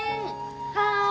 はい。